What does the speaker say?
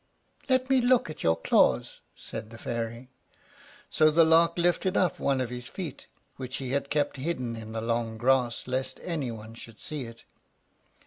"Let me look at your claws," said the Fairy. So the Lark lifted up one of his feet, which he had kept hidden in the long grass, lest any one should see it.